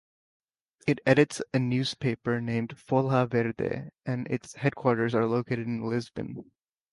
It edits a newspaper named "Folha Verde" and its headquarters are located in Lisbon.